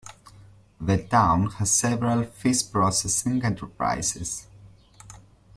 The town has several fish processing enterprises.